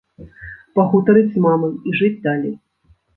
Пагутарыць з мамай і жыць далей.